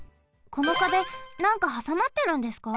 この壁なんかはさまってるんですか？